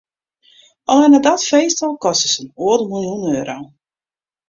Allinne dat feest al koste sa'n oardel miljoen euro.